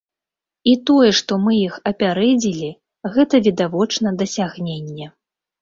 І тое, што мы іх апярэдзілі, гэта, відавочна, дасягненне.